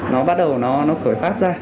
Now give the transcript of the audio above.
nó bắt đầu nó cởi phát ra